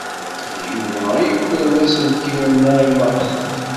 D Yuba ay yukren aselkim n Naɛima u Ḥsen.